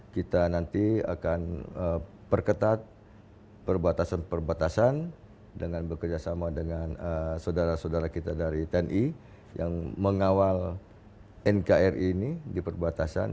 kita nanti akan perketat perbatasan perbatasan dengan bekerjasama dengan saudara saudara kita dari tni yang mengawal nkri ini di perbatasan